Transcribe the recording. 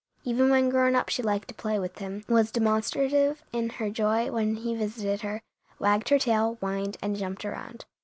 Even when grown up she liked to play with him, was demonstrative in her joy when he visited her, wagged her tail, whined, and jumped around.